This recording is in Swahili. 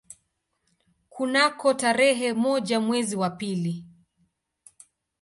Kunako tarehe moja mwezi wa pili